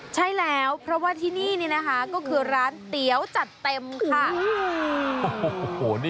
ใช่แล้วเพราะว่าที่นี่นี่นะคะก็คือร้านเตี๋ยวจัดเต็มค่ะ